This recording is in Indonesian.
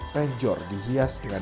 penjor dihias dengan